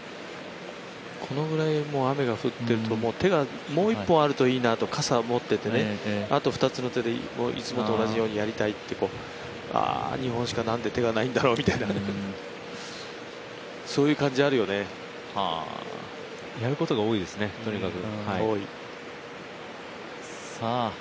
このぐらい雨が降ってるともう、手がもう一本あるといいなって傘持っててね、あと２つの手でいつもと同じようにやりたいって、２本しか何で手がないんだろうって、やることが多いですね、とにかく。